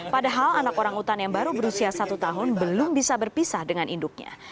padahal anak orangutan yang baru berusia satu tahun belum bisa berpisah dengan induknya